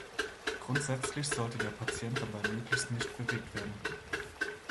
Grundsätzlich sollte der Patient dabei möglichst nicht bewegt werden.